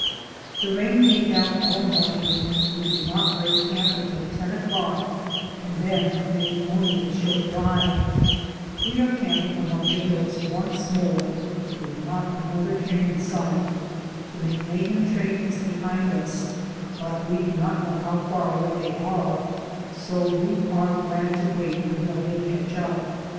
The rain came down all morning; we did not break camp until ten o'clock and then made only a short drive. We are camp ing among the hills once more, with not an other train in sight. The McMahan train is behind us, but we do not know how far away they are, so we are glad to wait until they catch up.